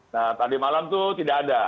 nah tadi malam itu tidak ada